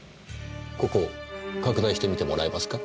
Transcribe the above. ここ拡大してみてもらえますか？